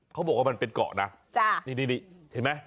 เขาบอกว่ามันเป็นเกาะนะนี่เห็นไหม